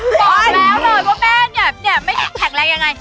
เห็นไหมลองแล้วเลยว่าแม่แข็งแรงยังไง